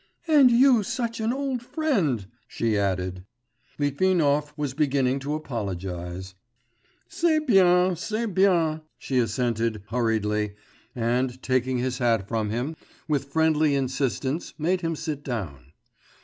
'And you such an old friend!' she added. Litvinov was beginning to apologise. 'C'est bien, c'est bien,' she assented hurriedly and, taking his hat from him, with friendly insistence made him sit down.